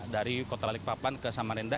dari kota balikpapan ke samarinda